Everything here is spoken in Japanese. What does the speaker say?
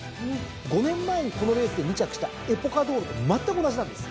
５年前にこのレースで２着したエポカドーロとまったく同じなんです。